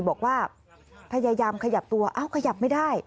บอกว่าพยายามขยับตัวอ้าวขยับไม่ได้